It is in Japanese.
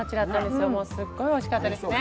すっごいおいしかったですね。